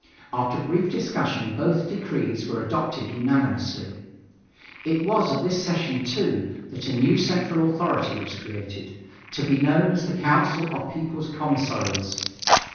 After brief discussion, both decrees were adopted unanimously. It was at this session, too, that a new central authority was created, to be known as the Council of People's Commissaries.